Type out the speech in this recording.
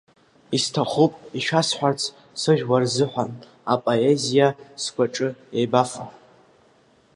Исҭахуп, сшәаҳәарц, сыжәлар рзыҳәан, апоезиа сгәаҿы еибафо.